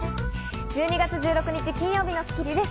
１２月１６日、金曜日の『スッキリ』です。